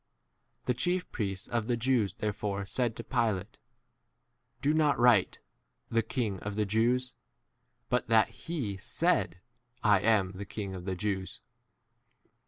21 The chief priests of the Jews therefore said to Pilate, Do not write, The king of the Jews, but that he said, I am the king of the 22 Jews.